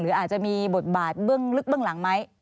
หรืออาจจะมีบทบาทลึกเบื้องหลังไหม